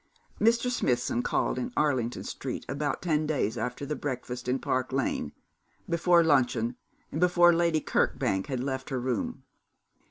Mr. Smithson called in Arlington Street about ten days after the breakfast in Park Lane, before luncheon, and before Lady Kirkbank had left her room.